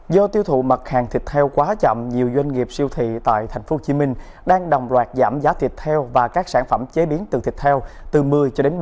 do tiêu thụ mặt hàng thịt heo quá chậm nhiều doanh nghiệp siêu thị tại tp hcm đang đồng loạt giảm giá thịt heo và các sản phẩm chế biến từ thịt heo từ một mươi cho đến ba mươi